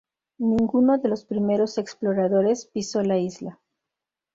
Ninguno de los primeros exploradores pisó la isla.